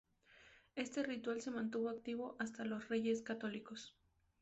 Este ritual se mantuvo activo hasta los Reyes Católicos.